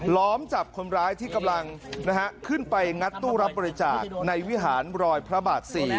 ล้อมจับคนร้ายที่กำลังขึ้นไปงัดตู้รับบริจาคในวิหารรอยพระบาท๔